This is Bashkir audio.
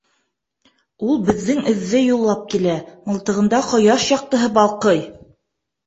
— Ул беҙҙең эҙҙе юллап килә, мылтығында ҡояш яҡтыһы балҡый.